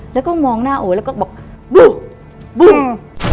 แล้วก็มองหน้าโอ๋แล้วก็บอกบูบู้